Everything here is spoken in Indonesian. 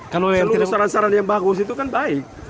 selalu keserohokan yang bagus itu kan baik